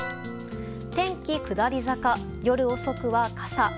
天気下り坂、夜遅くは傘。